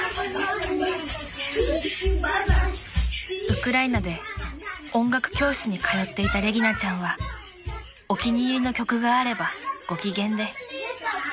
［ウクライナで音楽教室に通っていたレギナちゃんはお気に入りの曲があればご機嫌で］